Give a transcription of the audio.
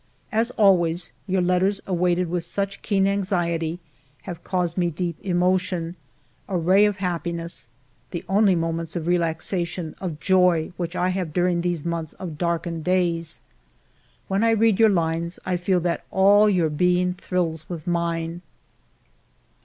As always, your letters, awaited with such keen anxiety, have caused me deep emotion, a ray of happiness, the only moments of relaxation, of joy, which I have during these months of dark ened days. When I read your lines, I feel that all your being thrills with mine."